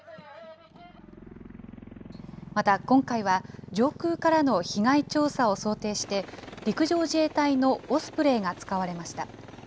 また、今回は上空からの被害調査を想定して、陸上自衛隊のオスプレイが使われました。